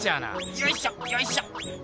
よいしょよいしょ。